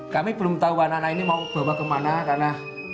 kami belum tahu anak anak ini mau bawa kemana karena